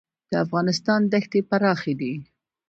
د افغانستان دښتې پراخې دي